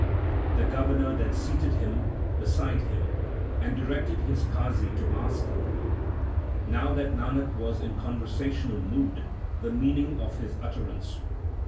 The Governor then seated him beside him, and directed his Qazi to ask, now that Nanak was in conversational mood, the meaning of his utterance.